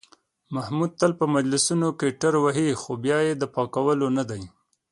محمود تل په مجلسونو کې ټروهي، خو بیا یې د پاکولو نه دي.